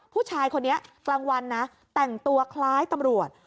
ผู้ชายคนนี้กลางวันนะแต่งตัวคล้ายตำรวจ